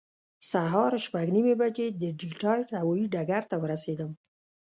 سهار شپږ نیمې بجې د ډیټرایټ هوایي ډګر ته ورسېدم.